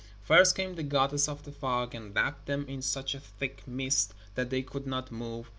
First came the goddess of the fog, and wrapped them in such a thick mist that they could not move.